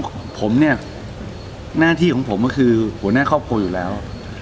ของผมเนี่ยหน้าที่ของผมก็คือหัวหน้าครอบครัวอยู่แล้ว